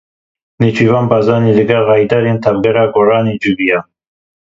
Nêçîrvan Barzanî li gel rayedarên Tevgera Goranê civiya.